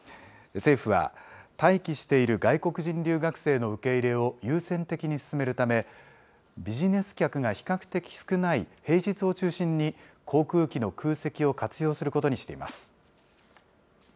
政府は、待機している外国人留学生の受け入れを優先的に進めるため、ビジネス客が比較的少ない平日を中心に、航空機の空席を活用することにしています。